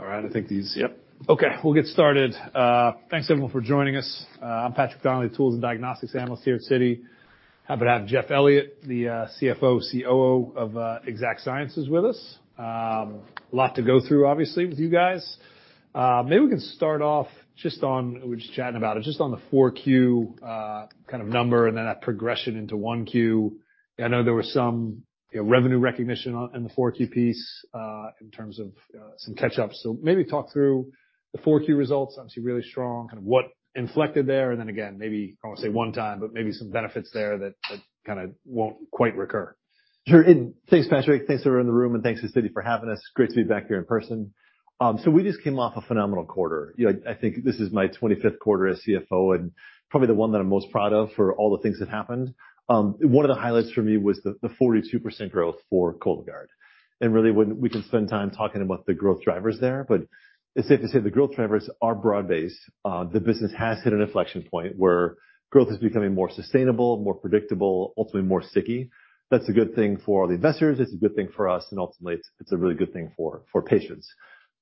All right. I think Yep. Okay, we'll get started. Thanks everyone for joining us. I'm Patrick Donnelly, Tools and Diagnostics Analyst here at Citi. Happy to have Jeff Elliott, CFO, COO of Exact Sciences with us. A lot to go through, obviously, with you guys. Maybe we can start off just on we're just chatting about it, just on the 4Q kind of number and then that progression into 1Q. I know there was some, you know, revenue recognition in the 4Q piece in terms of some catch-ups. Maybe talk through the 4Q results, obviously really strong, kind of what inflected there. Then again, maybe I won't say one time, but maybe some benefits there that kinda won't quite recur. Sure. Thanks, Patrick. Thanks for everyone in the room, and thanks to Citi for having us. Great to be back here in person. We just came off a phenomenal quarter. You know, I think this is my 25th quarter as CFO and probably the one that I'm most proud of for all the things that happened. One of the highlights for me was the 42% growth for Cologuard. Really, we can spend time talking about the growth drivers there, but it's safe to say the growth drivers are broad-based. The business has hit an inflection point where growth is becoming more sustainable, more predictable, ultimately more sticky. That's a good thing for the investors. It's a good thing for us, and ultimately, it's a really good thing for patients.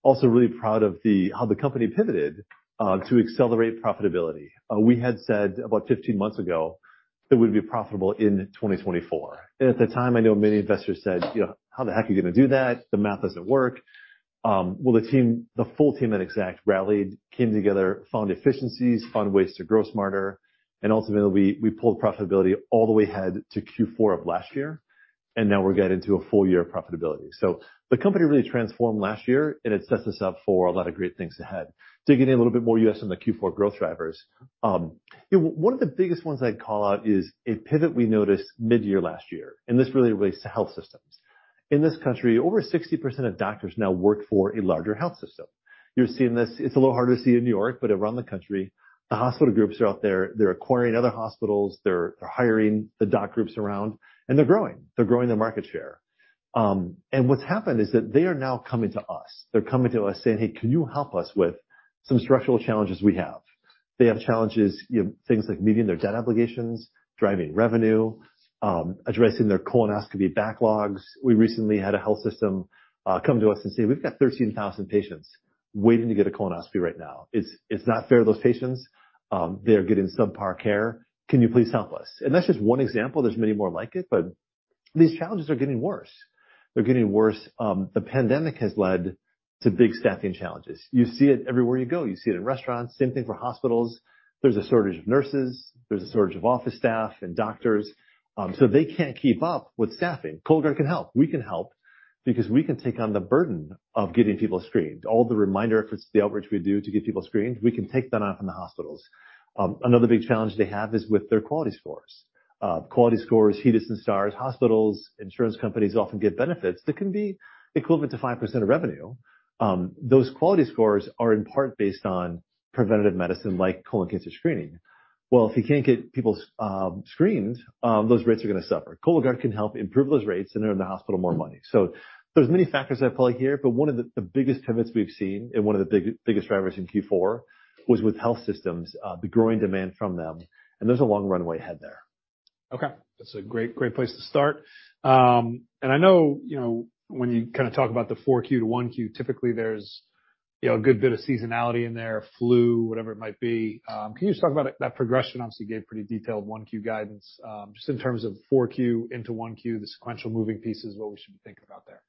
Also really proud of how the company pivoted to accelerate profitability. We had said about 15 months ago that we'd be profitable in 2024. At the time, I know many investors said, "You know, how the heck are you gonna do that? The math doesn't work." Well, the team, the full team at Exact rallied, came together, found efficiencies, found ways to grow smarter, and ultimately, we pulled profitability all the way ahead to Q4 of last year, and now we're getting to a full year of profitability. The company really transformed last year, and it sets us up for a lot of great things ahead. Digging in a little bit more, you asked on the Q4 growth drivers. You know, one of the biggest ones I'd call out is a pivot we noticed mid-year last year, and this really relates to health systems. In this country, over 60% of doctors now work for a larger health system. You're seeing this. It's a little hard to see in New York, but around the country, the hospital groups are out there. They're acquiring other hospitals. They're hiring the doc groups around, and they're growing. They're growing their market share. What's happened is that they are now coming to us. They're coming to us saying, "Hey, can you help us with some structural challenges we have?" They have challenges, you know, things like meeting their debt obligations, driving revenue, addressing their colonoscopy backlogs. We recently had a health system come to us and say, "We've got 13,000 patients waiting to get a colonoscopy right now. It's not fair to those patients. They're getting subpar care. Can you please help us?" That's just one example. There's many more like it, but these challenges are getting worse. They're getting worse. The pandemic has led to big staffing challenges. You see it everywhere you go. You see it in restaurants. Same thing for hospitals. There's a shortage of nurses. There's a shortage of office staff and doctors. They can't keep up with staffing. Cologuard can help. We can help because we can take on the burden of getting people screened. All the reminder efforts, the outreach we do to get people screened, we can take that on from the hospitals. Another big challenge they have is with their quality scores. Quality scores, HEDIS and Stars, hospitals, insurance companies often get benefits that can be equivalent to 5% of revenue. Those quality scores are in part based on preventative medicine like colon cancer screening. Well, if you can't get people screened, those rates are gonna suffer. Cologuard can help improve those rates, and they're in the hospital more money. There's many factors at play here, but one of the biggest pivots we've seen and one of the biggest drivers in Q4 was with health systems, the growing demand from them, and there's a long runway ahead there. Okay. That's a great place to start. And I know, you know, when you kinda talk about the 4Q to 1Q, typically there's, you know, a good bit of seasonality in there, flu, whatever it might be. Can you just talk about that progression? Obviously, you gave pretty detailed 1Q guidance. Just in terms of 4Q into 1Q, the sequential moving pieces, what we should be thinking about there.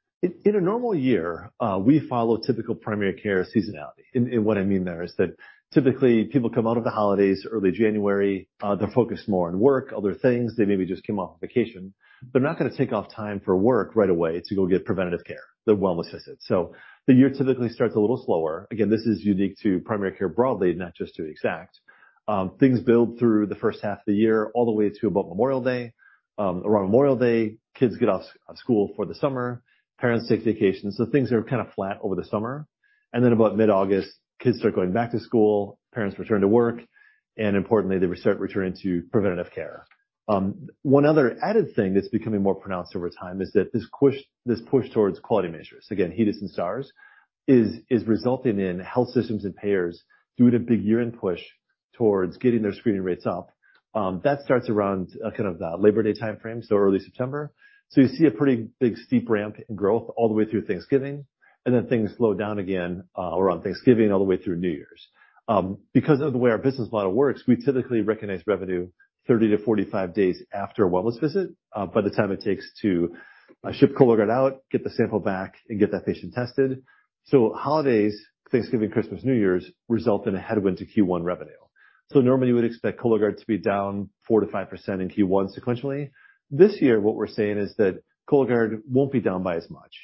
In a normal year, we follow typical primary care seasonality. What I mean there is that typically people come out of the holidays early January, they're focused more on work, other things. They maybe just came off vacation. They're not gonna take off time for work right away to go get preventative care, the wellness visit. The year typically starts a little slower. Again, this is unique to primary care broadly, not just to Exact. Things build through the first half of the year all the way to about Memorial Day. Around Memorial Day, kids get off school for the summer. Parents take vacations, so things are kinda flat over the summer. Then about mid-August, kids start going back to school, parents return to work, and importantly, they start returning to preventative care. One other added thing that's becoming more pronounced over time is that this push towards quality measures, again, HEDIS and Stars, is resulting in health systems and payers doing a big year-end push towards getting their screening rates up. That starts around kind of the Labor Day timeframe, early September. You see a pretty big steep ramp in growth all the way through Thanksgiving, and then things slow down again around Thanksgiving all the way through New Year's. Because of the way our business model works, we typically recognize revenue 30 to 45 days after a wellness visit, by the time it takes to ship Cologuard out, get the sample back, and get that patient tested. Holidays, Thanksgiving, Christmas, New Year's, result in a headwind to Q1 revenue. Normally, you would expect Cologuard to be down 4%-5% in Q1 sequentially. This year, what we're seeing is that Cologuard won't be down by as much,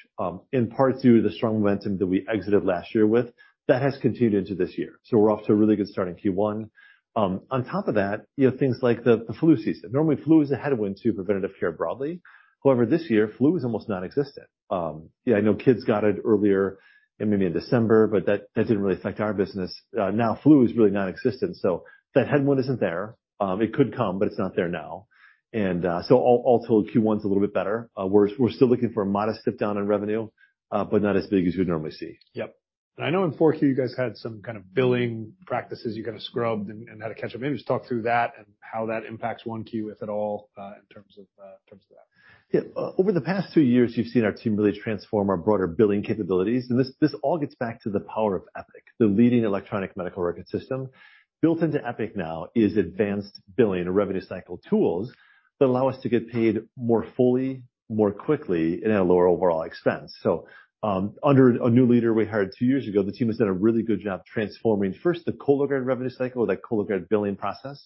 in part due to the strong momentum that we exited last year with. That has continued into this year. We're off to a really good start in Q1. On top of that, you have things like the flu season. Normally, flu is a headwind to preventative care broadly. However, this year, flu is almost non-existent. Yeah, I know kids got it earlier and maybe in December, but that didn't really affect our business. Now flu is really non-existent, so that headwind isn't there. It could come, but it's not there now. All told, Q1 is a little bit better. We're still looking for a modest step-down in revenue, but not as big as you would normally see. Yep. I know in 4Q, you guys had some kind of billing practices you kind of scrubbed and had to catch up. Maybe just talk through that and how that impacts 1Q if at all, in terms of, in terms of that. Over the past two years, you've seen our team really transform our broader billing capabilities. This all gets back to the power of Epic, the leading electronic medical record system. Built into Epic now is advanced billing and revenue cycle tools that allow us to get paid more fully, more quickly, and at a lower overall expense. Under a new leader we hired two years ago, the team has done a really good job transforming first the Cologuard revenue cycle, that Cologuard billing process.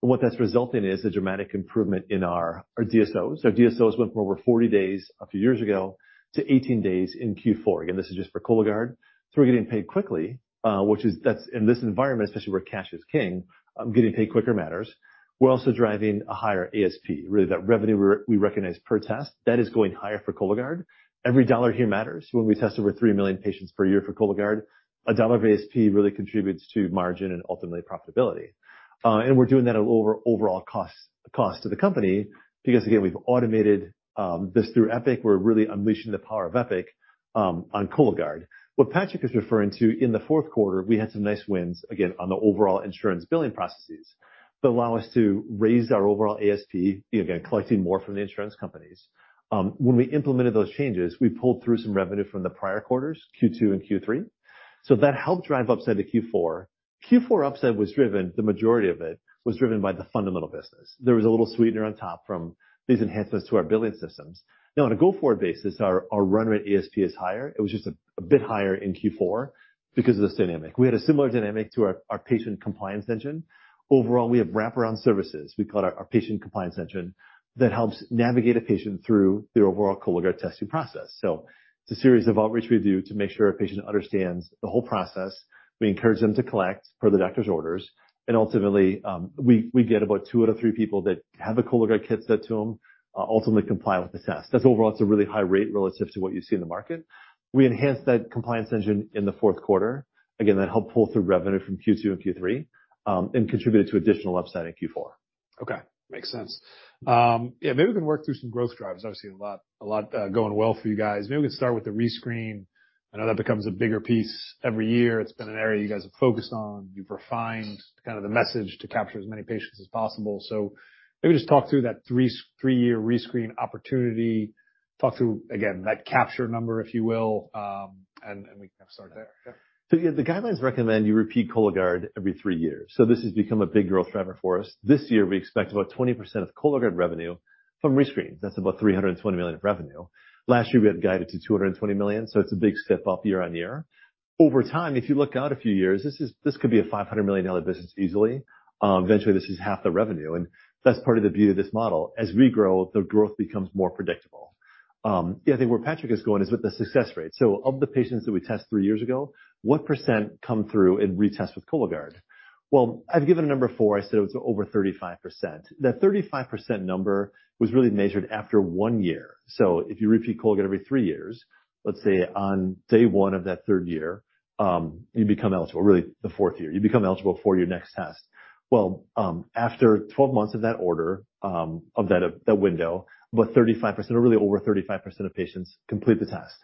What that's resulting is a dramatic improvement in our DSOs. Our DSOs went from over 40 days a few years ago to 18 days in Q4. Again, this is just for Cologuard. We're getting paid quickly, that's in this environment, especially where cash is king, getting paid quicker matters. We're also driving a higher ASP. Really, that revenue we recognize per test, that is going higher for Cologuard. Every dollar here matters. When we test over 3 million patients per year for Cologuard, a dollar of ASP really contributes to margin and ultimately profitability. We're doing that at a lower overall cost to the company because, again, we've automated this through Epic. We're really unleashing the power of Epic on Cologuard. What Patrick is referring to in the fourth quarter, we had some nice wins, again, on the overall insurance billing processes that allow us to raise our overall ASP, again, collecting more from the insurance companies. When we implemented those changes, we pulled through some revenue from the prior quarters, Q2 and Q3. That helped drive upside to Q4. Q4 upside was driven, the majority of it was driven by the fundamental business. There was a little sweetener on top from these enhancements to our billing systems. On a go-forward basis, our run rate ASP is higher. It was just a bit higher in Q4 because of this dynamic. We had a similar dynamic to our patient compliance engine. Overall, we have wraparound services. We call it our patient compliance engine that helps navigate a patient through the overall Cologuard testing process. It's a series of outreach we do to make sure a patient understands the whole process. We encourage them to collect per the doctor's orders, and ultimately, we get about two out of three people that have a Cologuard kit sent to them, ultimately comply with the test. That's overall, it's a really high rate relative to what you see in the market. We enhanced that compliance engine in the fourth quarter. Again, that helped pull through revenue from Q2 and Q3, and contributed to additional upside in Q4. Okay. Makes sense. Maybe we can work through some growth drivers. Obviously, a lot, a lot going well for you guys. Maybe we can start with the rescreen. I know that becomes a bigger piece every year. It's been an area you guys have focused on. You've refined kind of the message to capture as many patients as possible. Maybe just talk through that three-year rescreen opportunity. Talk through, again, that capture number, if you will. We can start there. Yeah, the guidelines recommend you repeat Cologuard every three years. This has become a big growth driver for us. This year, we expect about 20% of Cologuard revenue from rescreens. That's about $320 million of revenue. Last year, we had guided to $220 million, so it's a big step up year-on-year. Over time, if you look out a few years, this could be a $500 million dollar business easily. Eventually, this is half the revenue, and that's part of the beauty of this model. As we grow, the growth becomes more predictable. Yeah, I think where Patrick is going is with the success rate. Of the patients that we test three years ago, what percent come through and retest with Cologuard? Well, I've given a number before. I said it was over 35%. That 35% number was really measured after one year. If you repeat Cologuard every three years, let's say on day one of that third year, you become eligible. Really, the fourth year. You become eligible for your next test. Well, after 12 months of that order, of that window, about 35% or really over 35% of patients complete the test.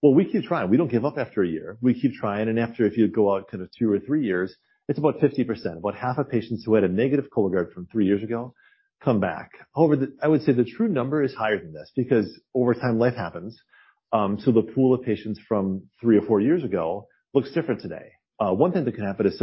Well, we keep trying. We don't give up after one year. We keep trying. After, if you go out kind of two or three years, it's about 50%. About half of patients who had a negative Cologuard from three years ago come back. However, I would say the true number is higher than this because over time, life happens. The pool of patients from three or four years ago looks different today. One thing that can happen is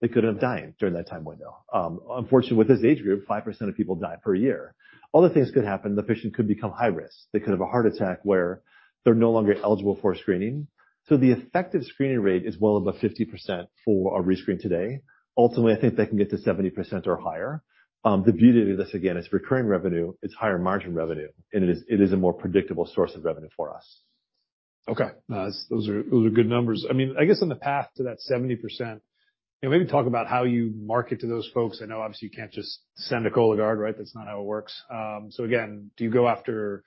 they could have died during that time window. Unfortunately, with this age group, 5% of people die per year. Other things could happen. The patient could become high risk. They could have a heart attack where they're no longer eligible for screening. The effective screening rate is well above 50% for a rescreen today. Ultimately, I think they can get to 70% or higher. The beauty of this, again, it's recurring revenue, it's higher margin revenue, and it is a more predictable source of revenue for us. Okay. Those are good numbers. I mean, I guess on the path to that 70%, you know, maybe talk about how you market to those folks. I know obviously you can't just send a Cologuard, right? That's not how it works. Again, do you go after,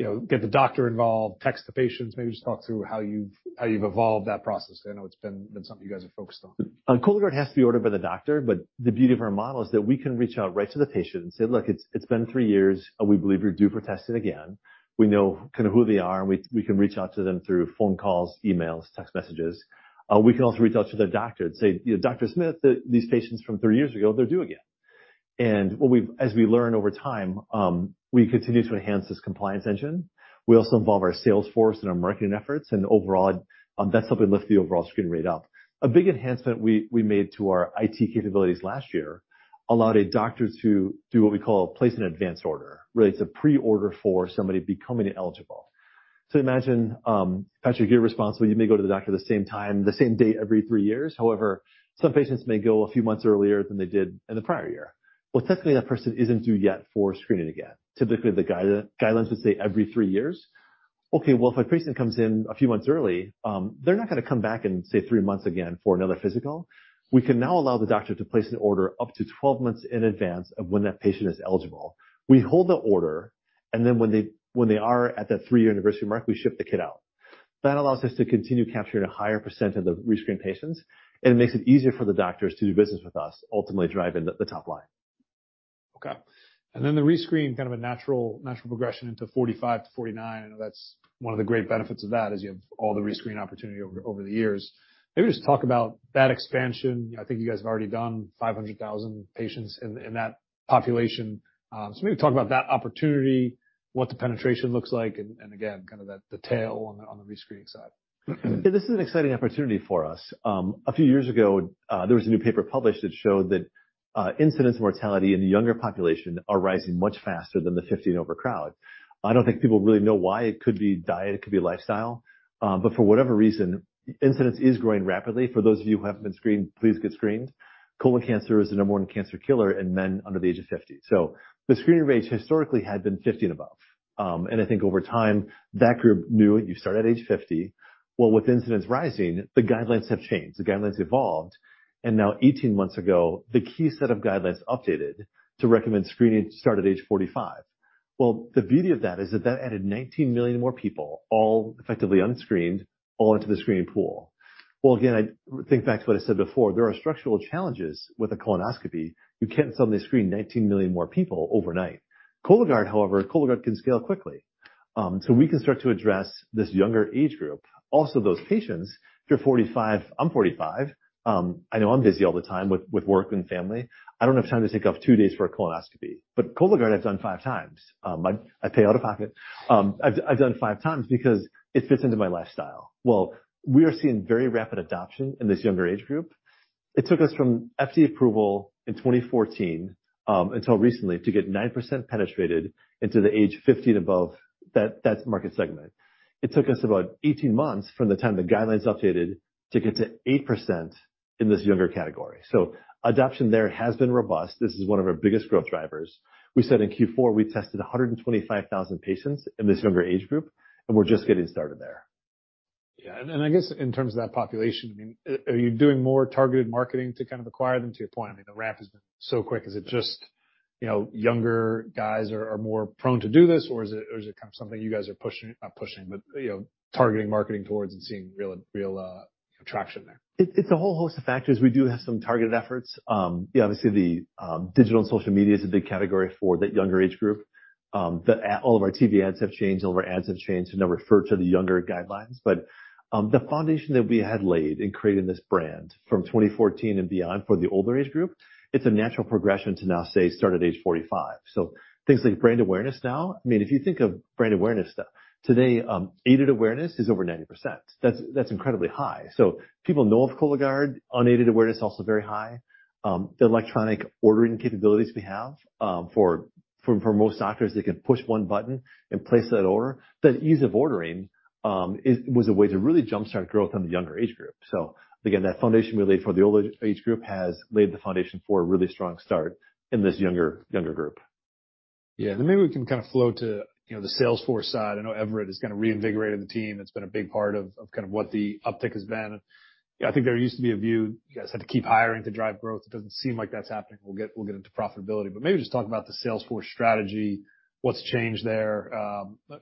you know, get the doctor involved, text the patients? Maybe just talk through how you've evolved that process. I know it's been something you guys are focused on. On Cologuard, it has to be ordered by the doctor, the beauty of our model is that we can reach out right to the patient and say, "Look, it's been three years. We believe you're due for testing again." We know kinda who they are, we can reach out to them through phone calls, emails, text messages. We can also reach out to their doctor and say, you know, "Dr. Smith, these patients from three years ago, they're due again." As we learn over time, we continue to enhance this compliance engine. We also involve our sales force in our marketing efforts, overall, that's something that lifts the overall screen rate up. A big enhancement we made to our IT capabilities last year allowed a doctor to do what we call place an advance order. Really, it's a pre-order for somebody becoming eligible. Imagine, Patrick, you're responsible, you may go to the doctor the same time, the same date every three years. However, some patients may go a few months earlier than they did in the prior year. Well, technically, that person isn't due yet for screening again. Typically, the guidelines would say every three years. Okay, well, if a patient comes in a few months early, they're not gonna come back in, say, 3 months again for another physical. We can now allow the doctor to place an order up to 12 months in advance of when that patient is eligible. We hold the order, and then when they are at that 3-year anniversary mark, we ship the kit out. That allows us to continue capturing a higher percentage of the rescreen patients, and it makes it easier for the doctors to do business with us, ultimately driving the top line. Okay. The rescreen, kind of a natural progression into 45 to 49. I know that's one of the great benefits of that, is you have all the rescreen opportunity over the years. Maybe just talk about that expansion. I think you guys have already done 500,000 patients in that population. Maybe talk about that opportunity, what the penetration looks like, and again, kind of the detail on the rescreening side. Yeah, this is an exciting opportunity for us. A few years ago, there was a new paper published that showed that incidence mortality in the younger population are rising much faster than the 50 and over crowd. I don't think people really know why. It could be diet, it could be lifestyle, for whatever reason, incidence is growing rapidly. For those of you who haven't been screened, please get screened. Colon cancer is the number one cancer killer in men under the age of 50. The screening rates historically had been 50 and above. I think over time, that group knew you start at age 50. With incidence rising, the guidelines have changed. The guidelines evolved, now 18 months ago, the key set of guidelines updated to recommend screening start at age 45. The beauty of that is that that added 19 million more people, all effectively unscreened, all into the screening pool. Again, think back to what I said before, there are structural challenges with a colonoscopy. You can't suddenly screen 19 million more people overnight. Cologuard, however, Cologuard can scale quickly. We can start to address this younger age group. Also, those patients, if you're 45, I'm 45, I know I'm busy all the time with work and family. I don't have time to take off two days for a colonoscopy. Cologuard I've done five times. I pay out-of-pocket. I've done five times because it fits into my lifestyle. We are seeing very rapid adoption in this younger age group. It took us from FDA approval in 2014 until recently to get 9% penetrated into the age 50 and above. That's the market segment. It took us about 18 months from the time the guidelines updated to get to 8% in this younger category. Adoption there has been robust. This is one of our biggest growth drivers. We said in Q4, we tested 125,000 patients in this younger age group, and we're just getting started there. Yeah. I guess in terms of that population, I mean, are you doing more targeted marketing to kind of acquire them? To your point, I mean, the ramp has been so quick. Is it just, you know, younger guys are more prone to do this, or is it kind of something you guys are not pushing, but, you know, targeting marketing towards and seeing real traction there? It's a whole host of factors. We do have some targeted efforts. Obviously the digital and social media is a big category for that younger age group. All of our TV ads have changed, all of our ads have changed to now refer to the younger guidelines. The foundation that we had laid in creating this brand from 2014 and beyond for the older age group, it's a natural progression to now say, start at age 45. Things like brand awareness now, I mean, if you think of brand awareness today, aided awareness is over 90%. That's incredibly high. People know of Cologuard. Unaided awareness, also very high. The electronic ordering capabilities we have for most doctors, they can push one button and place that order. That ease of ordering, was a way to really jumpstart growth on the younger age group. Again, that foundation we laid for the older age group has laid the foundation for a really strong start in this younger group. Yeah. Maybe we can kind of flow to, you know, the sales force side. I know Everett has kind of reinvigorated the team. That's been a big part of kind of what the uptick has been. Yeah, I think there used to be a view you guys had to keep hiring to drive growth. It doesn't seem like that's happening. We'll get into profitability. Maybe just talk about the sales force strategy. What's changed there,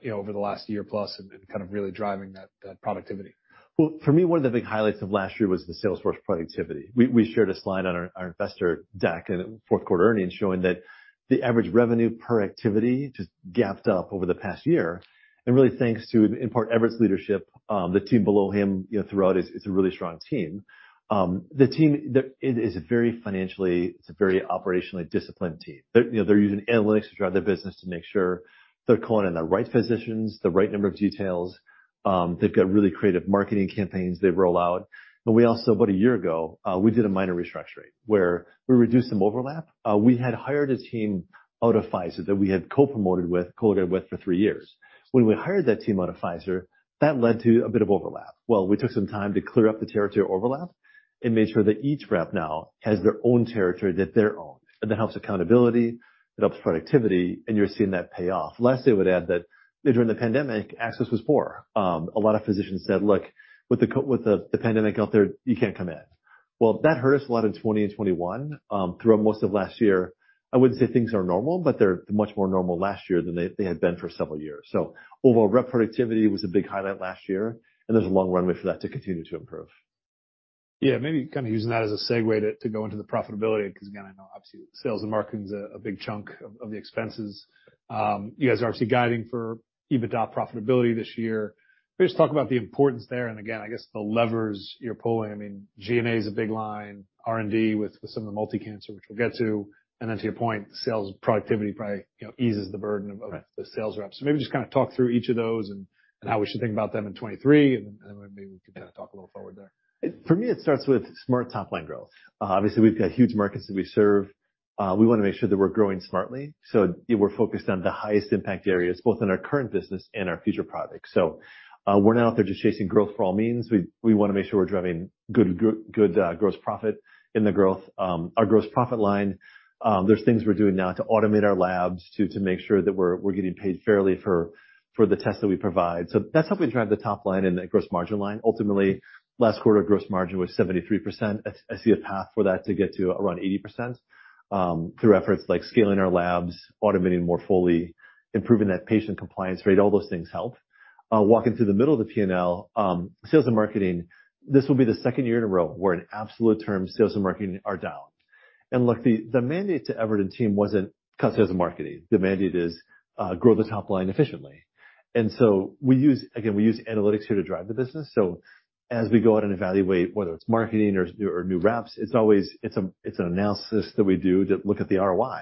you know, over the last year plus and kind of really driving that productivity? Well, for me, one of the big highlights of last year was the sales force productivity. We shared a slide on our investor deck in fourth quarter earnings showing that the average revenue per activity just gapped up over the past year. Really thanks to, in part, Everett's leadership, the team below him, you know, throughout is a really strong team. The team, it is a very financially, it's a very operationally disciplined team. They're, you know, they're using analytics to drive their business to make sure they're calling on the right physicians, the right number of details. They've got really creative marketing campaigns they roll out. We also, about a year ago, we did a minor restructuring where we reduced some overlap. We had hired a team out of Pfizer that we had co-promoted with Cologuard with for three years. When we hired that team out of Pfizer, that led to a bit of overlap. Well, we took some time to clear up the territory overlap and made sure that each rep now has their own territory that they own, and that helps accountability, it helps productivity, and you're seeing that pay off. Last, I would add that during the pandemic, access was poor. A lot of physicians said, "Look, with the pandemic out there, you can't come in." Well, that hurt us a lot in 2020 and 2021. Throughout most of last year, I wouldn't say things are normal, but they're much more normal last year than they had been for several years. Overall, rep productivity was a big highlight last year, and there's a long runway for that to continue to improve. Yeah. Maybe kinda using that as a segue to go into the profitability, 'cause again, I know obviously sales and marketing's a big chunk of the expenses. You guys are obviously guiding for EBITDA profitability this year. Maybe just talk about the importance there, and again, I guess the levers you're pulling? I mean, G&A is a big line, R&D with some of the multi-cancer, which we'll get to. Then to your point, sales productivity probably, you know, eases the burden of. Right. -the sales reps. Maybe just kinda talk through each of those and how we should think about them in 2023, and then, and then maybe we can kinda talk a little forward there. It for me, it starts with smart top-line growth. Obviously, we've got huge markets that we serve. We wanna make sure that we're growing smartly, so we're focused on the highest impact areas, both in our current business and our future products. We're not out there just chasing growth for all means. We wanna make sure we're driving good gross profit in the growth, our gross profit line. There's things we're doing now to automate our labs to make sure that we're getting paid fairly for the tests that we provide. That's how we drive the top line and the gross margin line. Ultimately, last quarter gross margin was 73%. I see a path for that to get to around 80%, through efforts like scaling our labs, automating more fully, improving that patient compliance rate, all those things help. Walking through the middle of the P&L, sales and marketing, this will be the second year in a row where in absolute terms, sales and marketing are down. Look, the mandate to Everett team wasn't cut sales and marketing. The mandate is, grow the top line efficiently. We use, again, we use analytics here to drive the business. As we go out and evaluate whether it's marketing or new reps, it's always an analysis that we do to look at the ROI.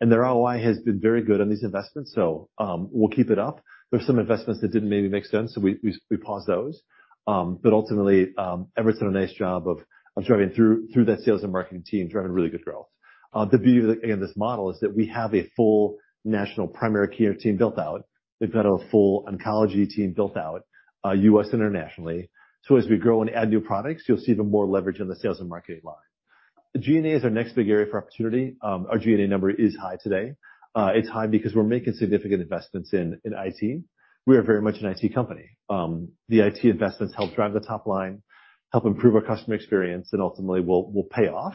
The ROI has been very good on these investments, so we'll keep it up. There's some investments that didn't maybe make sense, we paused those. Ultimately, Everett's done a nice job of driving through that sales and marketing team, driving really good growth. The beauty of, again, this model is that we have a full national primary care team built out. We've got a full oncology team built out, U.S. internationally. As we grow and add new products, you'll see even more leverage on the sales and marketing line. G&A is our next big area for opportunity. Our G&A number is high today. It's high because we're making significant investments in IT. We are very much an IT company. The IT investments help drive the top line, help improve our customer experience, and ultimately will pay off.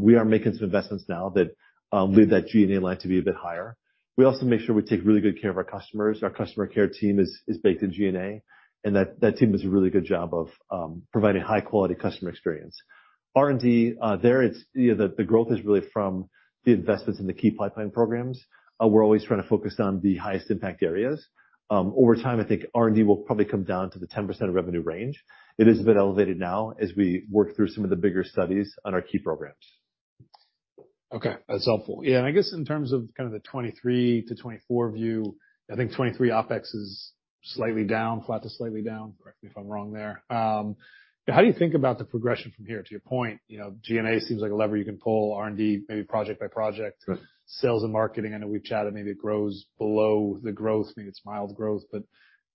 We are making some investments now that lead that G&A line to be a bit higher. We also make sure we take really good care of our customers. Our customer care team is baked in G&A, and that team does a really good job of providing high quality customer experience. R&D, there it's, you know, the growth is really from the investments in the key pipeline programs. We're always trying to focus on the highest impact areas. Over time, I think R&D will probably come down to the 10% of revenue range. It is a bit elevated now as we work through some of the bigger studies on our key programs. Okay, that's helpful. I guess in terms of kind of the 2023 to 2024 view, I think 2023 OpEx is slightly down, flat to slightly down. Correct me if I'm wrong there. How do you think about the progression from here? To your point, you know, G&A seems like a lever you can pull, R&D maybe project by project. Right. Sales and marketing, I know we've chatted, maybe it grows below the growth, maybe it's mild growth.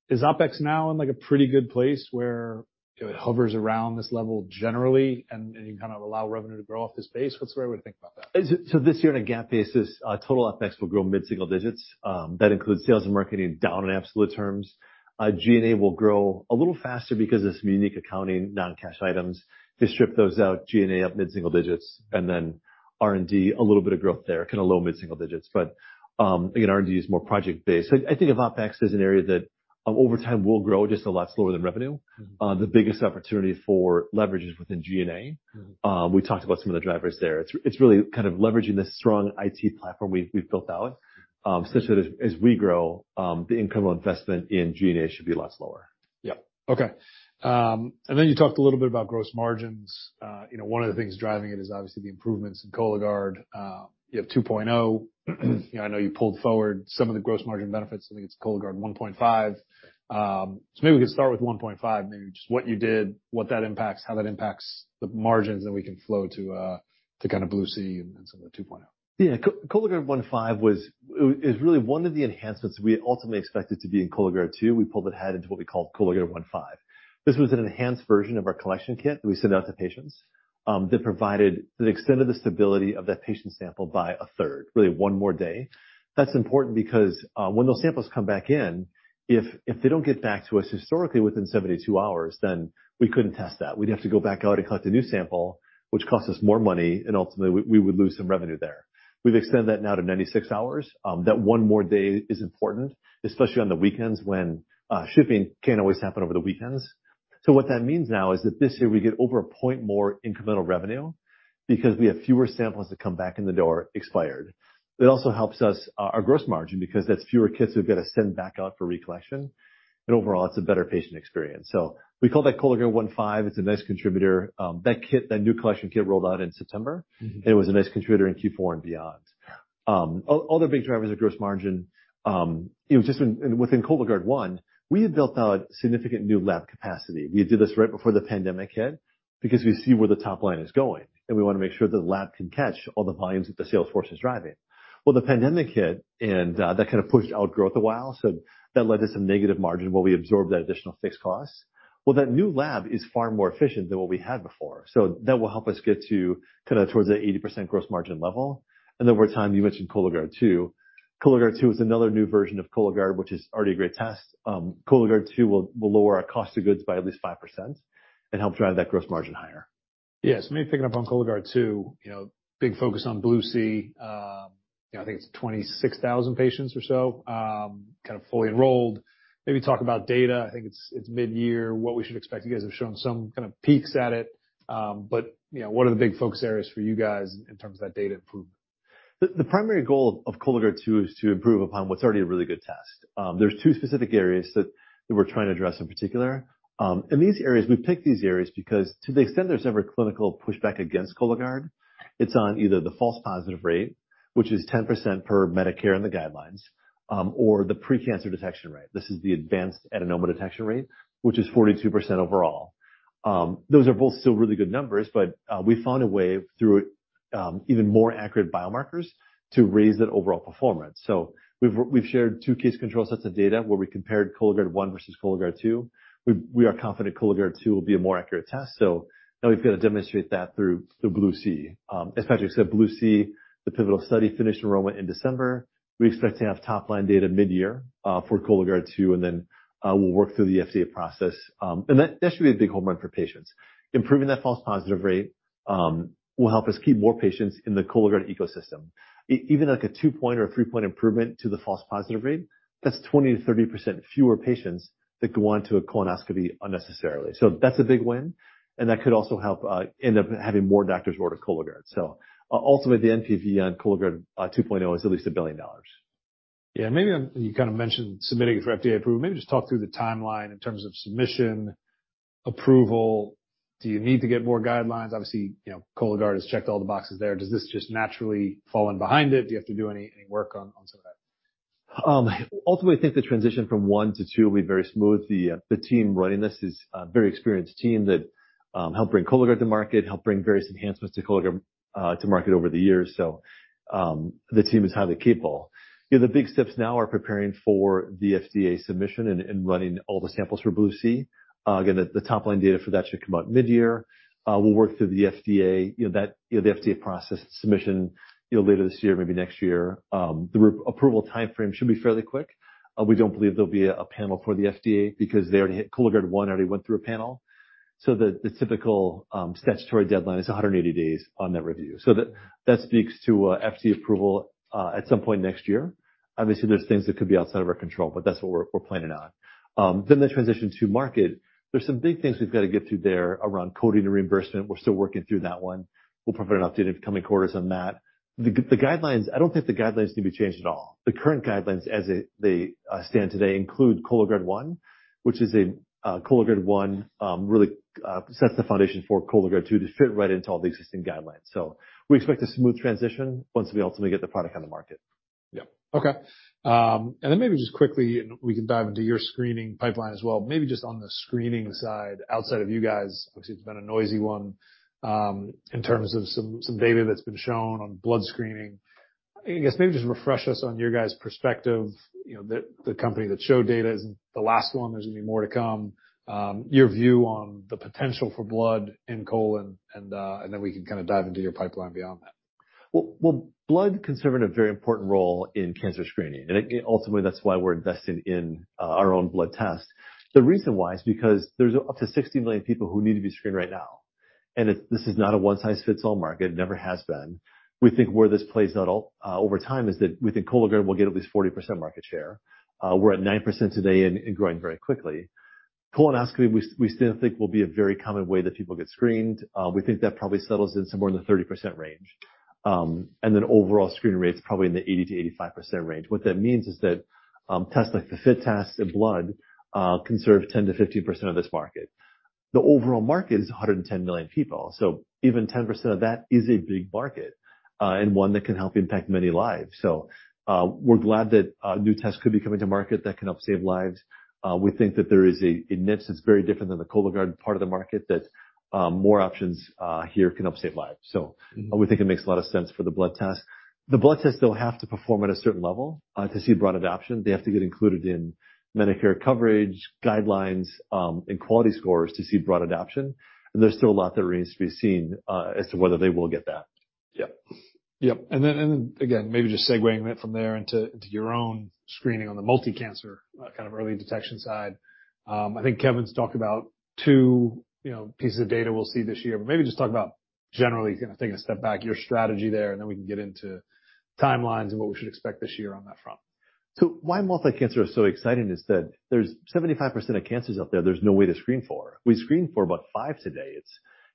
Is OpEx now in like a pretty good place where it hovers around this level generally and you kind of allow revenue to grow off this base? What's the right way to think about that? This year, on a GAAP basis, total OpEx will grow mid-single digits. That includes sales and marketing down in absolute terms. G&A will grow a little faster because of some unique accounting non-cash items. If you strip those out, G&A up mid-single digits, and then R&D, a little bit of growth there, kinda low mid-single digits. Again, R&D is more project-based. I think of OpEx as an area that over time will grow just a lot slower than revenue. Mm-hmm. The biggest opportunity for leverage is within G&A. Mm-hmm. We talked about some of the drivers there. It's really kind of leveraging this strong IT platform we've built out, such that as we grow, the incremental investment in G&A should be a lot slower. Yeah. Okay. You talked a little bit about gross margins. You know, one of the things driving it is obviously the improvements in Cologuard. You have 2.0. You know, I know you pulled forward some of the gross margin benefits. I think it's Cologuard 1.5. Maybe we could start with 1.5, maybe just what you did, what that impacts, how that impacts the margins that we can flow to kind of BLUE-C and some of the 2. Cologuard 1.5 is really one of the enhancements we ultimately expected to be in Cologuard 2. We pulled it ahead into what we call Cologuard 1.5. This was an enhanced version of our collection kit that we send out to patients, that extended the stability of that patient sample by a third, really one more day. That's important because, when those samples come back in, if they don't get back to us historically within 72 hours, then we couldn't test that. We'd have to go back out and collect a new sample, which costs us more money, and ultimately we would lose some revenue there. We've extended that now to 96 hours. That one more day is important, especially on the weekends when, shipping can't always happen over the weekends. What that means now is that this year we get over a point more incremental revenue because we have fewer samples that come back in the door expired. It also helps us our gross margin because that's fewer kits we've got to send back out for recollection. Overall, it's a better patient experience. We call that Cologuard 1.5. It's a nice contributor. That kit, that new collection kit rolled out in September. Mm-hmm. It was a nice contributor in Q4 and beyond. Other big drivers of gross margin, you know, just within Cologuard one, we had built out significant new lab capacity. We did this right before the pandemic hit because we see where the top line is going, and we wanna make sure the lab can catch all the volumes that the sales force is driving. Well, the pandemic hit and that kind of pushed out growth a while, so that led to some negative margin where we absorbed that additional fixed cost. Well, that new lab is far more efficient than what we had before, so that will help us get to kinda towards that 80% gross margin level. Over time, you mentioned Cologuard 2. Cologuard 2 is another new version of Cologuard, which is already a great test. Cologuard 2.0 will lower our cost of goods by at least 5% and help drive that gross margin higher. Maybe picking up on Cologuard 2, you know, big focus on BLUE-C. You know, I think it's 26,000 patients or so, kind of fully enrolled. Maybe talk about data. I think it's mid-year, what we should expect. You guys have shown some kind of peaks at it, but, you know, what are the big focus areas for you guys in terms of that data improvement? The primary goal of Cologuard 2 is to improve upon what's already a really good test. There's 2 specific areas that we're trying to address in particular. These areas, we've picked these areas because to the extent there's ever clinical pushback against Cologuard, it's on either the false positive rate, which is 10% per Medicare and the guidelines, or the pre-cancer detection rate. This is the advanced adenoma detection rate, which is 42% overall. Those are both still really good numbers, we found a way through even more accurate biomarkers to raise that overall performance. We've shared two case control sets of data where we compared Cologuard 1 versus Cologuard 2. We are confident Cologuard 2 will be a more accurate test. Now we've got to demonstrate that through BLUE-C. As Patrick said, BLUE-C, the pivotal study, finished enrollment in December. We expect to have top line data mid-year, for Cologuard 2. Then we'll work through the FDA process. That should be a big home run for patients. Improving that false positive rate, will help us keep more patients in the Cologuard ecosystem. Even like a 2-point or 3-point improvement to the false positive rate, that's 20%-30% fewer patients that go on to a colonoscopy unnecessarily. That's a big win. That could also help end up having more doctors order Cologuard. Ultimately, the NPV on Cologuard 2 is at least $1 billion. Yeah. Maybe you kind of mentioned submitting it for FDA approval. Maybe just talk through the timeline in terms of submission, approval. Do you need to get more guidelines? Obviously, you know, Cologuard has checked all the boxes there. Does this just naturally fall in behind it? Do you have to do any work on some of that? Ultimately, I think the transition from 1 to 2 will be very smooth. The team running this is a very experienced team that helped bring Cologuard to market, helped bring various enhancements to Cologuard to market over the years. The team is highly capable. The big steps now are preparing for the FDA submission and running all the samples for BLUE-C. The top line data for that should come out mid-year. We'll work through the FDA, the FDA process submission later this year, maybe next year. The approval timeframe should be fairly quick. We don't believe there'll be a panel for the FDA because Cologuard 1 already went through a panel, so the typical statutory deadline is 180 days on that review. That speaks to FDA approval at some point next year. Obviously, there's things that could be outside of our control, but that's what we're planning on. The transition to market, there's some big things we've got to get through there around coding and reimbursement. We're still working through that one. We'll provide an update in the coming quarters on that. The guidelines, I don't think the guidelines need to be changed at all. The current guidelines as they stand today include Cologuard 1 really sets the foundation for Cologuard 2 to fit right into all the existing guidelines. We expect a smooth transition once we ultimately get the product on the market. Yeah. Okay. Maybe just quickly, and we can dive into your screening pipeline as well. Maybe just on the screening side, outside of you guys, obviously it's been a noisy one, in terms of some data that's been shown on blood screening. I guess maybe just refresh us on your guys' perspective. You know, the company that showed data isn't the last one. There's going to be more to come. Your view on the potential for blood in colon, and then we can kind of dive into your pipeline beyond that. Well, blood can serve in a very important role in cancer screening, and ultimately that's why we're investing in our own blood test. The reason why is because there's up to 60 million people who need to be screened right now. This is not a one-size-fits-all market. It never has been. We think where this plays out over time is that we think Cologuard will get at least 40% market share. We're at 9% today and growing very quickly. Colonoscopy, we still think will be a very common way that people get screened. We think that probably settles in somewhere in the 30% range. Overall screening rates probably in the 80%-85% range. What that means is that tests like the FIT test, the blood, can serve 10%-15% of this market. The overall market is 110 million people. Even 10% of that is a big market and one that can help impact many lives. We're glad that new tests could be coming to market that can help save lives. We think that there is a niche that's very different than the Cologuard part of the market, that more options here can help save lives. We think it makes a lot of sense for the blood test. The blood test, they'll have to perform at a certain level to see broad adoption. They have to get included in Medicare coverage guidelines and quality scores to see broad adoption. There's still a lot that remains to be seen, as to whether they will get that. Yeah. Yep. And again, maybe just segueing it from there into your own screening on the multi-cancer kind of early detection side. I think Kevin's talked about two, you know, pieces of data we'll see this year. Maybe just talk about generally, you know, taking a step back, your strategy there, and then we can get into timelines and what we should expect this year on that front? Why multi-cancer is so exciting is that there's 75% of cancers out there there's no way to screen for. We screen for about five today.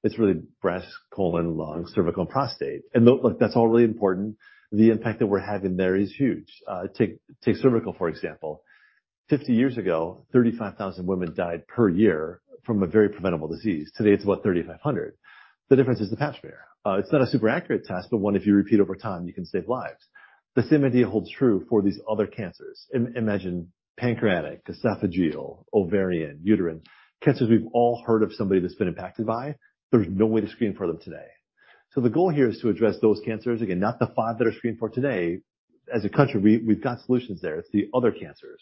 It's really breast, colon, lung, cervical and prostate. Look, that's all really important. The impact that we're having there is huge. Take cervical for example. 50 years ago, 35,000 women died per year from a very preventable disease. Today it's about 3,500. The difference is the Pap smear. It's not a super accurate test, but one if you repeat over time, you can save lives. The same idea holds true for these other cancers. Imagine pancreatic, esophageal, ovarian, uterine. Cancers we've all heard of somebody that's been impacted by, there's no way to screen for them today. The goal here is to address those cancers. Again, not the five that are screened for today. As a country, we've got solutions there. It's the other cancers.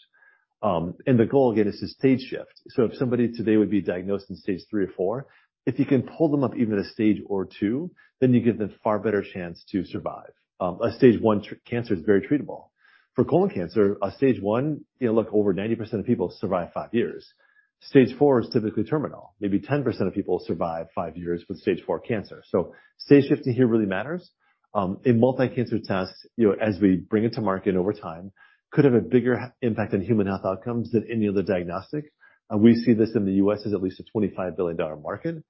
The goal again is to stage shift. If somebody today would be diagnosed in stage 3 or 4, if you can pull them up even a stage or 2, then you give them far better chance to survive. A stage 1 cancer is very treatable. For colon cancer, a stage 1, you know, look, over 90% of people survive five years. Stage 4 is typically terminal. Maybe 10% of people survive five years with stage 4 cancer. Stage shifting here really matters. In multi-cancer tests, you know, as we bring it to market over time, could have a bigger impact on human health outcomes than any other diagnostic. We see this in the U.S. as at least a $25 billion market.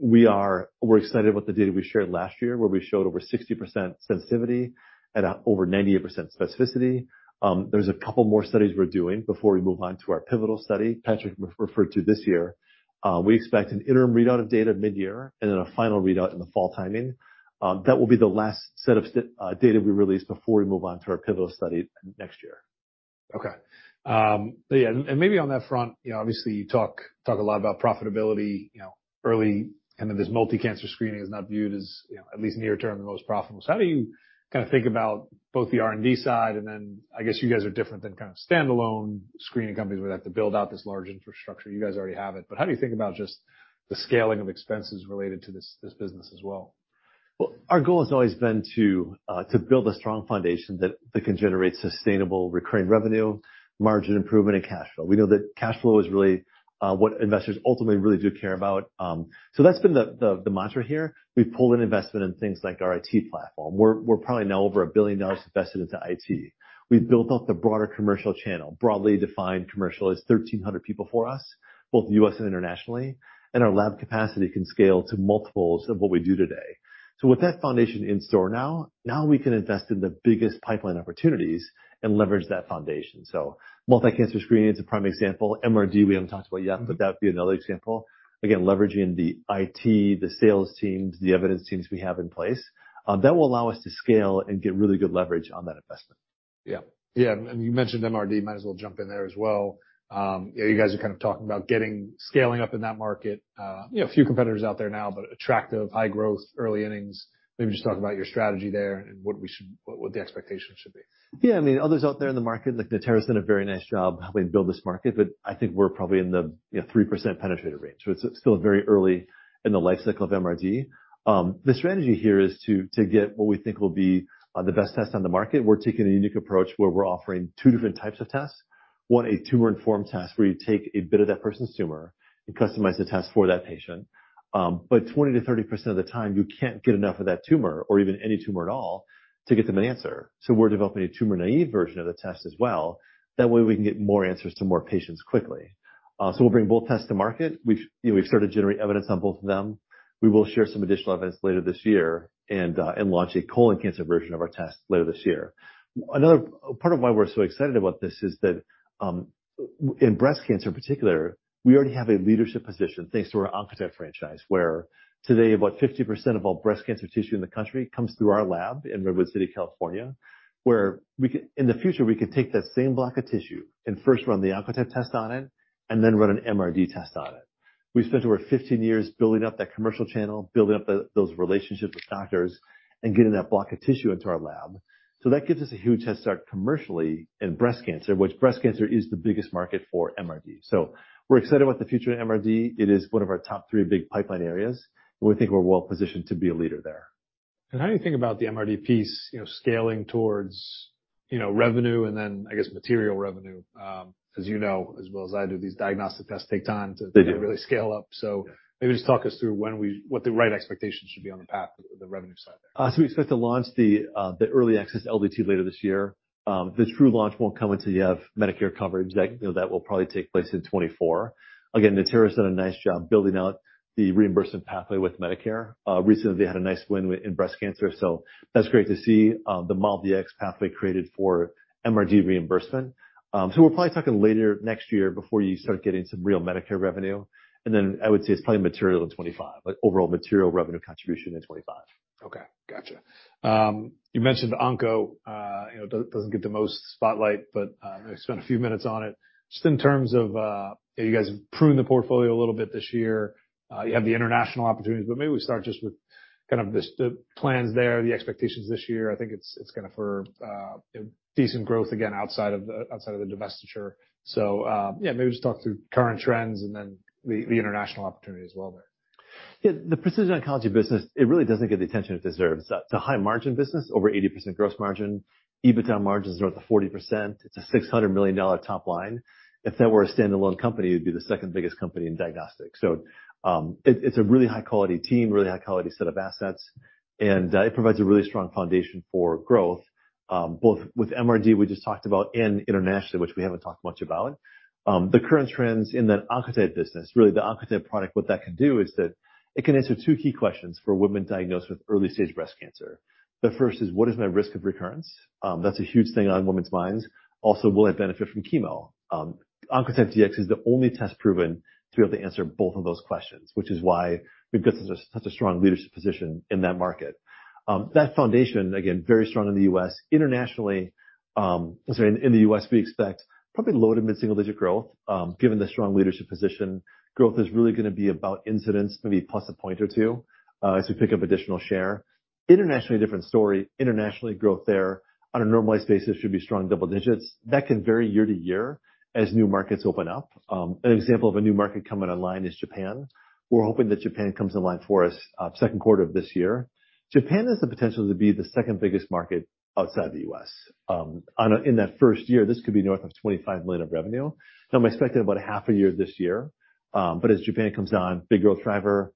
We're excited about the data we shared last year, where we showed over 60% sensitivity and over 98% specificity. There's a couple more studies we're doing before we move on to our pivotal study Patrick referred to this year. We expect an interim readout of data mid-year and then a final readout in the fall timing. That will be the last set of data we release before we move on to our pivotal study next year. Okay. Yeah, maybe on that front, you know, obviously, you talk a lot about profitability, you know, early, and then this multi-cancer screening is not viewed as, you know, at least near term, the most profitable. How do you kinda think about both the R&D side, and then I guess you guys are different than kind of standalone screening companies would have to build out this large infrastructure. You guys already have it. How do you think about just the scaling of expenses related to this business as well? Well, our goal has always been to build a strong foundation that can generate sustainable recurring revenue, margin improvement and cash flow. We know that cash flow is really what investors ultimately really do care about. So that's been the mantra here. We've pulled in investment in things like our IT platform. We're probably now over $1 billion invested into IT. We've built out the broader commercial channel, broadly defined commercial as 1,300 people for us, both U.S. and internationally, and our lab capacity can scale to multiples of what we do today. With that foundation in store now we can invest in the biggest pipeline opportunities and leverage that foundation. Multi-cancer screening is a prime example. MRD, we haven't talked about yet, but that would be another example. leveraging the IT, the sales teams, the evidence teams we have in place, that will allow us to scale and get really good leverage on that investment. Yeah. Yeah, you mentioned MRD, might as well jump in there as well. You guys are kind of talking about getting scaling up in that market. You know, a few competitors out there now, attractive high growth, early innings. Maybe just talk about your strategy there and what the expectations should be? I mean, others out there in the market, like Natera's done a very nice job helping build this market, I think we're probably in the, you know, 3% penetrator range. It's still very early in the life cycle of MRD. The strategy here is to get what we think will be the best test on the market. We're taking a unique approach where we're offering two different types of tests. One, a tumor-informed test, where you take a bit of that person's tumor and customize the test for that patient. 20%-30% of the time, you can't get enough of that tumor or even any tumor at all to get them an answer. We're developing a tumor-naive version of the test as well. That way, we can get more answers to more patients quickly. We'll bring both tests to market. We've, you know, we've started to generate evidence on both of them. We will share some additional events later this year and launch a colon cancer version of our test later this year. Another part of why we're so excited about this is that, in breast cancer in particular, we already have a leadership position, thanks to our Oncotype franchise, where today, about 50% of all breast cancer tissue in the country comes through our lab in Redwood City, California, where in the future, we can take that same block of tissue and first run the Oncotype test on it, and then run an MRD test on it. We spent over 15 years building up that commercial channel, building up those relationships with doctors, and getting that block of tissue into our lab. That gives us a huge head start commercially in breast cancer, which breast cancer is the biggest market for MRD. We're excited about the future of MRD. It is one of our top three big pipeline areas, and we think we're well positioned to be a leader there. How do you think about the MRD piece, you know, scaling towards, you know, revenue and then I guess material revenue, 'cause you know as well as I do, these diagnostic tests take time. They do. -to really scale up. Maybe just talk us through what the right expectations should be on the path, the revenue side there. We expect to launch the early access LDT later this year. The true launch won't come until you have Medicare coverage. That, you know, that will probably take place in 2024. Again, Natera's done a nice job building out the reimbursement pathway with Medicare. Recently, they had a nice win in breast cancer, so that's great to see the MolDX pathway created for MRD reimbursement. We're probably talking later next year before you start getting some real Medicare revenue. Then I would say it's probably material in 2025, like overall material revenue contribution in 2025. Okay. Gotcha. You mentioned Oncotype, you know, doesn't get the most spotlight, but maybe spend a few minutes on it. Just in terms of, you guys have pruned the portfolio a little bit this year. You have the international opportunities, but maybe we start just with kind of the plans there, the expectations this year. I think it's kinda for, decent growth again outside of the, outside of the divestiture. Yeah, maybe just talk through current trends and then the international opportunity as well there. The precision oncology business, it really doesn't get the attention it deserves. It's a high margin business, over 80% gross margin. EBITDA margins are at the 40%. It's a $600 million top line. If that were a standalone company, it'd be the second biggest company in diagnostics. It's a really high-quality team, really high-quality set of assets, and it provides a really strong foundation for growth, both with MRD we just talked about and internationally, which we haven't talked much about. The current trends in that Oncotype business, really the Oncotype product, what that can do is that it can answer two key questions for women diagnosed with early-stage breast cancer. The first is, what is my risk of recurrence? That's a huge thing on women's minds. Also, will I benefit from chemo? Oncotype DX is the only test proven to be able to answer both of those questions, which is why we've got such a strong leadership position in that market. That foundation, again, very strong in the U.S. Internationally, In the U.S., we expect probably low to mid-single digit growth, given the strong leadership position. Growth is really gonna be about incidents, maybe plus a point or two, as we pick up additional share. Internationally, different story. Internationally, growth there on a normalized basis should be strong double digits. That can vary year to year as new markets open up. An example of a new market coming online is Japan. We're hoping that Japan comes online for us, second quarter of this year. Japan has the potential to be the second biggest market outside the U.S. In that first year, this could be north of $25 million of revenue. Now I'm expecting about half a year this year, but as Japan comes on, big growth driver,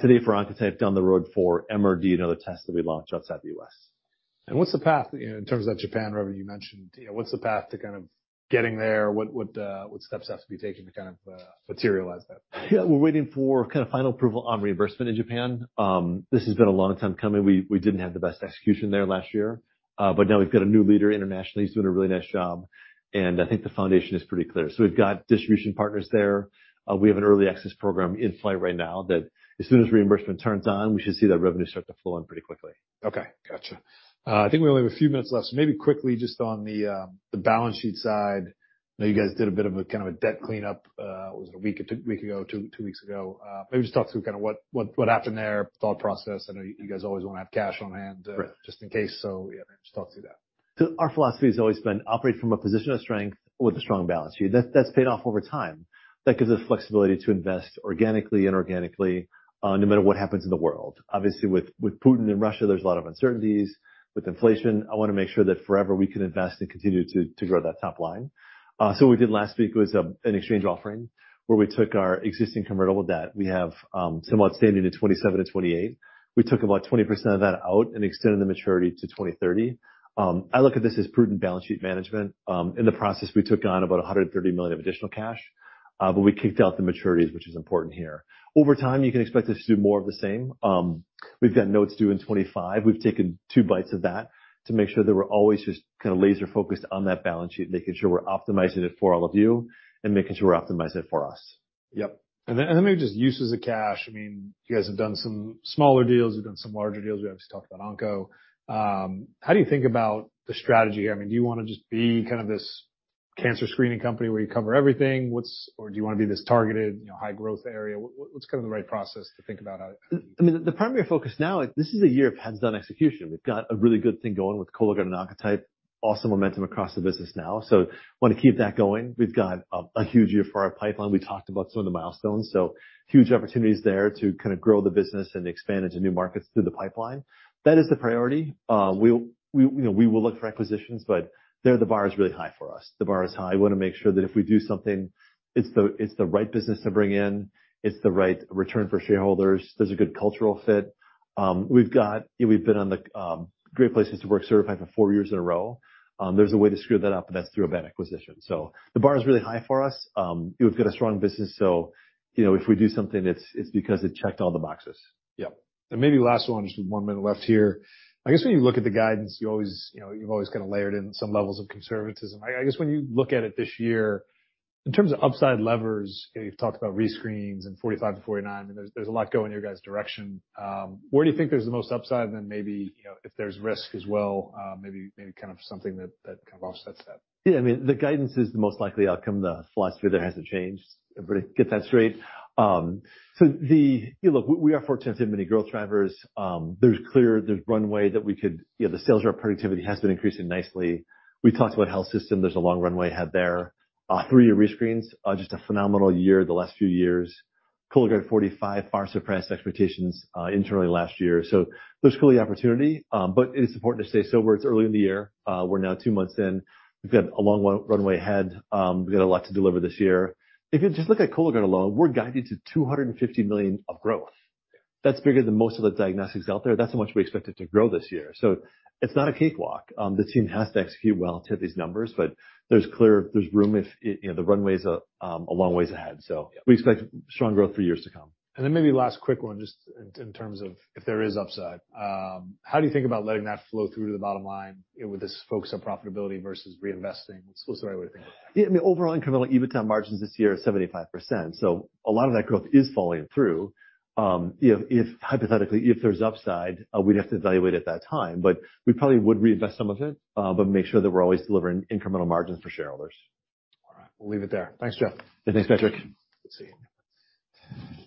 today for Oncotype, down the road for MRD and other tests that we launch outside the U.S. What's the path, you know, in terms of that Japan revenue you mentioned? You know, what's the path to kind of getting there? What steps have to be taken to kind of materialize that? Yeah. We're waiting for kinda final approval on reimbursement in Japan. This has been a long time coming. We didn't have the best execution there last year, but now we've got a new leader internationally. He's doing a really nice job, and I think the foundation is pretty clear. We've got distribution partners there. We have an early access program in flight right now that as soon as reimbursement turns on, we should see that revenue start to flow in pretty quickly. Okay. Gotcha. I think we only have a few minutes left, so maybe quickly just on the balance sheet side. You guys did a bit of a, kind of a debt cleanup, was it 1 week ago, 2 weeks ago? Maybe just talk through kinda what happened there, thought process. I know you guys always wanna have cash on hand. Right. just in case. Yeah, maybe just talk through that. Our philosophy has always been operate from a position of strength with a strong balance sheet. That's paid off over time. That gives us flexibility to invest organically and inorganically, no matter what happens in the world. Obviously with Putin and Russia, there's a lot of uncertainties. With inflation, I wanna make sure that forever we can invest and continue to grow that top line. What we did last week was an exchange offering where we took our existing convertible debt. We have some outstanding in 2027 and 2028. We took about 20% of that out and extended the maturity to 2030. I look at this as prudent balance sheet management. In the process, we took on about $130 million of additional cash, but we kicked out the maturities, which is important here. Over time, you can expect us to do more of the same. We've got notes due in 2025. We've taken two bites of that to make sure that we're always just kinda laser focused on that balance sheet, making sure we're optimizing it for all of you and making sure we're optimizing it for us. Yep. Maybe just uses of cash. I mean, you guys have done some smaller deals. You've done some larger deals. We obviously talked about Onco. How do you think about the strategy? I mean, do you wanna just be kind of this cancer screening company where you cover everything? Or do you wanna be this targeted, you know, high growth area? What's kind of the right process to think about how you. I mean, the primary focus now, this is a year of hands-on execution. We've got a really good thing going with Cologuard and Oncotype, awesome momentum across the business now, so wanna keep that going. We've got a huge year for our pipeline. We talked about some of the milestones, so huge opportunities there to kinda grow the business and expand into new markets through the pipeline. That is the priority. We will, we, you know, we will look for acquisitions, but there the bar is really high for us. The bar is high. We wanna make sure that if we do something, it's the, it's the right business to bring in, it's the right return for shareholders, there's a good cultural fit. We've been on the Great Place To Work certified for four years in a row. There's a way to screw that up, and that's through a bad acquisition. The bar is really high for us. We've got a strong business, you know, if we do something, it's because it checked all the boxes. Yep. Maybe last one, just one minute left here. I guess when you look at the guidance, you always, you know, you've always kinda layered in some levels of conservatism. I guess when you look at it this year, in terms of upside levers, you've talked about re-screens and 45 to 49. I mean, there's a lot going in your guys' direction. Where do you think there's the most upside, and then maybe, you know, if there's risk as well, kind of something that kind of offsets that? Yeah, I mean, the guidance is the most likely outcome. The philosophy there hasn't changed. Everybody get that straight. You know, look, we are fortunate to have many growth drivers. There's runway that we could. You know, the sales rep productivity has been increasing nicely. We talked about health system. There's a long runway ahead there. three-year re-screens, just a phenomenal year the last few years. Cologuard 45 far suppressed expectations internally last year. There's clearly opportunity, but it is important to stay sober. It's early in the year. we're now two months in. We've got a long runway ahead. we've got a lot to deliver this year. If you just look at Cologuard alone, we're guiding to $250 million of growth. Yeah. That's bigger than most of the diagnostics out there. That's how much we expect it to grow this year. It's not a cakewalk. The team has to execute well to hit these numbers, but there's room if, you know, the runway's a long ways ahead. Yeah. We expect strong growth for years to come. Maybe last quick one, just in terms of if there is upside. How do you think about letting that flow through to the bottom line, you know, with this focus on profitability versus reinvesting? What's the right way to think about that? Yeah, I mean, overall incremental EBITDA margins this year are 75%. A lot of that growth is falling through. You know, if hypothetically, if there's upside, we'd have to evaluate at that time, but we probably would reinvest some of it, but make sure that we're always delivering incremental margins for shareholders. All right. We'll leave it there. Thanks, Jeff. Yeah, thanks, Patrick. Good to see you.